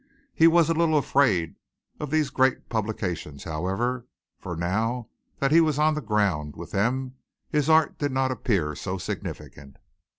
He was a little afraid of these great publications, however, for now that he was on the ground with them his art did not appear so significant.